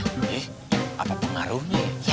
eh apa pengaruhnya ya